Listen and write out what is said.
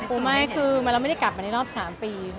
ไม่คือเราไม่ได้กลับมาในรอบ๓ปี